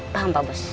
paham pak bos